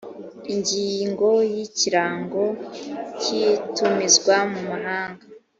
ingingo y’ ikirango cy ibitumizwa mu mahanga